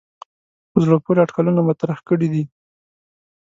په زړه پورې اټکلونه مطرح کړي دي.